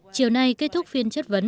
chiều nay kết thúc phiên chất vấn